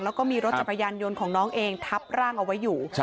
แล้วก็มีรถจักรยานยนต์ของน้องเองทับร่างเอาไว้อยู่